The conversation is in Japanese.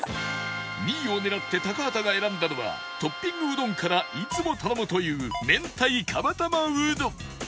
２位を狙って高畑が選んだのはトッピングうどんからいつも頼むという明太釜玉うどん